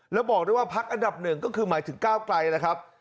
แล้วบอกด้วยว่าพักอันดับหนึ่งก็คือหมายถึงก้าวไกลนะครับ